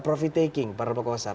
profit taking para pelaku pasar